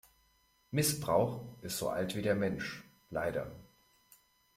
Missbrauch ist so alt wie der Mensch - leider.